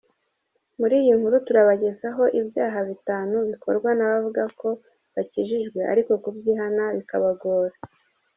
Muri iyi nkuru turabagezaho ibyaha bitanu bikorwa n’abavuga ko bakijijwe ariko kubyihana bikabagora.